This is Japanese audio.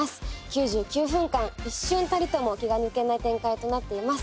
９９分間一瞬たりとも気が抜けない展開となっています。